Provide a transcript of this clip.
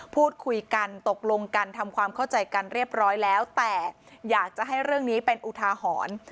พูดคุยกันตกลงกันทำความเข้าใจกันเรียบร้อยแล้วแต่อยากจะให้เรื่องนี้เป็นอุทาหรณ์